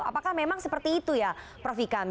apakah memang seperti itu ya prof ikan